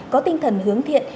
có tinh thần hướng thiện